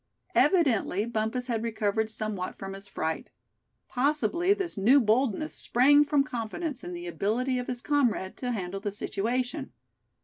Evidently Bumpus had recovered somewhat from his fright. Possibly this new boldness sprang from confidence in the ability of his comrade to handle the situation.